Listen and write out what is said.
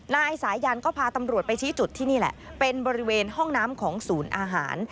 นายสายันก็พาตำรวจไปชี้จุดที่นี่แหละเป็นบริเวณห้องน้ำของศูนย์อาหาร